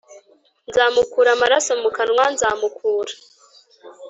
Nzamukura amaraso mu kanwa nzamukura